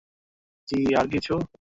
জী, আর কিছু?